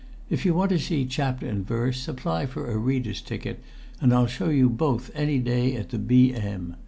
If you want to see chapter and verse, apply for a reader's ticket and I'll show you both any day at the B.M.